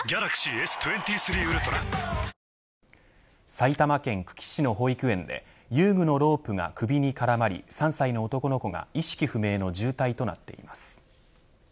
埼玉県久喜市の保育園で遊具のロープが首に絡まり３歳の男の子が意識不明の重体となっています。